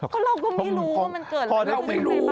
ก็เราก็ไม่รู้ว่ามันเกิดอะไรมันก็ไม่บ้างนะครับเราไม่รู้